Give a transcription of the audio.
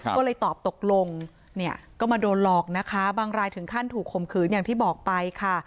ก็เลยตอบตกลงเนี่ยก็มาโดนหลอกนะคะบางรายถึงขั้นถูกข่มขืนอย่างที่บอกไปค่ะ